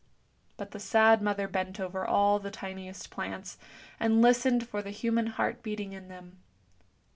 But the sad mother bent over all the tiniest plants, and listened for the human heart beating in them.